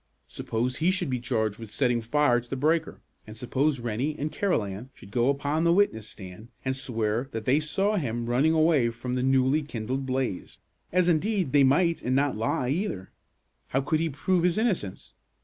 Suppose he should be charged with setting fire to the breaker? And suppose Rennie and Carolan should go upon the witness stand and swear that they saw him running away from the newly kindled blaze, as, indeed, they might and not lie, either, how could he prove his innocence?